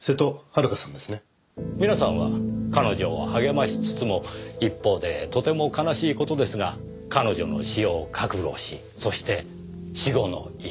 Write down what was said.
皆さんは彼女を励ましつつも一方でとても悲しい事ですが彼女の死を覚悟しそして死後の家。